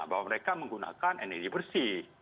bahwa mereka menggunakan energi bersih